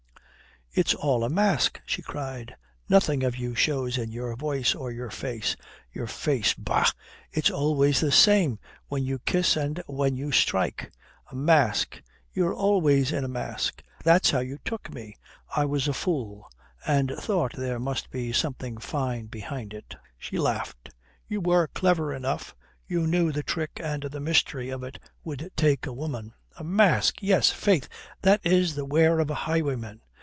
"It's all a mask!" she cried. "Nothing of you shows in your voice or your face your face, bah, it's always the same, when you kiss and when you strike. A mask! You're always in a mask. That's how you took me. I was a fool, and thought there must be something fine behind it." She laughed. "You were clever enough. You knew the trick and the mystery of it would take a woman. A mask! Yes, faith, that is the wear for a highwayman.